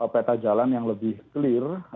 peta jalan yang lebih clear